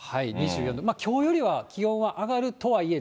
２４度、きょうよりは気温は上がるとはいえ。